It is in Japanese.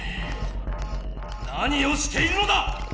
何をしているのだ！